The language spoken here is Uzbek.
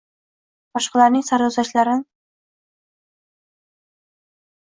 boshqalarning sarguzashtlarin